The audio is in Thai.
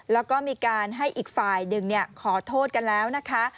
แล้วก็มีการให้อีกฝ่ายหนึ่งขอโทษกันแล้วนะคะ